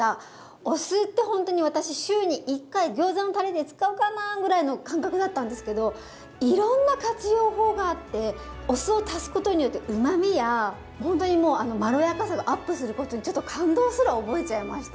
お酢ってほんとに私週に１回ギョーザのタレで使うかなぐらいの感覚だったんですけどいろんな活用法があってお酢を足すことによってうまみやほんとにもうあのまろやかさがアップすることにちょっと感動すら覚えちゃいました！